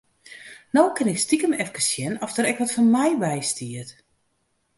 No kin ik stikem efkes sjen oft der ek wat foar my by stiet.